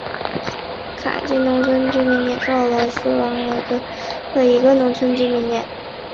卡津卡农村居民点是俄罗斯联邦别尔哥罗德州瓦卢伊基区所属的一个农村居民点。